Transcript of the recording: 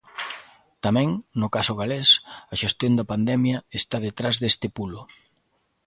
Tamén, no caso galés, a xestión da pandemia está detrás deste pulo.